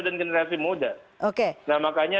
dan generasi muda nah makanya